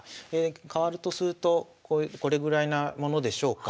変わるとするとこれぐらいなものでしょうか。